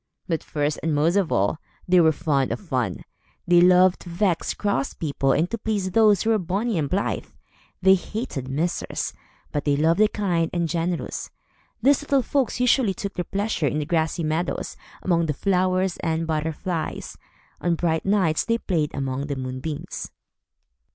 But first and most of all, they were fond of fun. They loved to vex cross people and to please those who were bonnie and blithe. They hated misers, but they loved the kind and generous. These little folks usually took their pleasure in the grassy meadows, among the flowers and butterflies. On bright nights they played among the moonbeams.